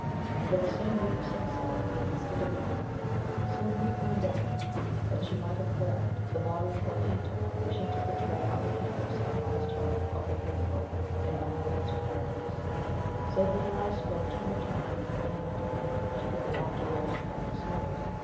Under the same roof as himself, existed a being, so beautiful and delicate, that she might have formed the model for a painter wishing to pourtray on canvass the promised hope of the faithful in Mahomet's paradise, save that her eyes spoke too much mind for any one to think she could belong to those who had no souls.